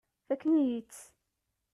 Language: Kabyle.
Fakken-iyi-tt.